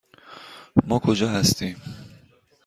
ما کجا هستیم؟